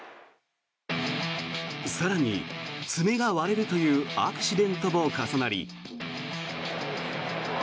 更に、爪が割れるというアクシデントも重なり。